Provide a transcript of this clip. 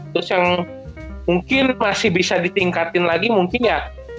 terus yang mungkin masih bisa ditingkatin lagi mungkin ya